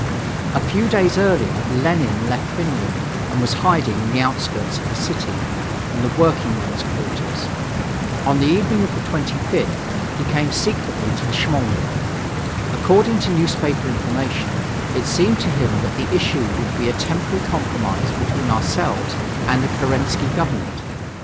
A few days earlier Lenin left Finland and was hiding in the outskirts of the city, in the workingmen's quarters. On the evening of the 25th, he came secretly to the Smolny. According to newspaper information, it seemed to him that the issue would be a temporary compromise between ourselves and the Kerensky Government.